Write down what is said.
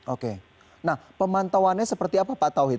oke nah pemantauannya seperti apa pak tauhid